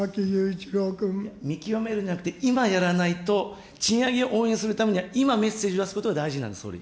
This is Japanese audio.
見極めるんじゃなくて、今やらないと、賃上げを応援するためには、今メッセージを出すことが大事なんです、総理。